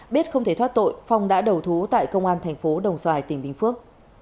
biết không thể thoát tội phong đã đầu thú tại công an thành phố đồng xoài tỉnh bình phước